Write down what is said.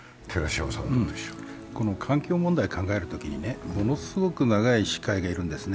環境問題を考えるときにものすごく長い視界がいるんですね。